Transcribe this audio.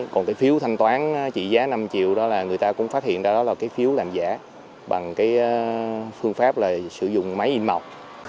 còn cái phiếu thanh toán trị giá năm triệu đó là người ta cũng phát hiện đó là cái phiếu làm giả bằng cái phương pháp là sử dụng máy in màu